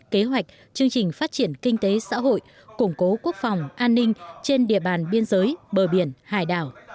kế hoạch chương trình phát triển kinh tế xã hội củng cố quốc phòng an ninh trên địa bàn biên giới bờ biển hải đảo